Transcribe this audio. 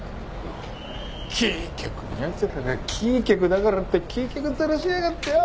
キー局のやつらがキー局だからってキー局ヅラしやがってよ。